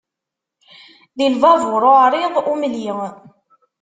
Di lbabur uɛriḍ umli.